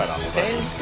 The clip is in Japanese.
先生